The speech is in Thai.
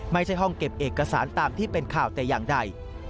ไม่ใช่ห้องเก็บเอกสารตามที่เป็นข่าวแต่อย่างใด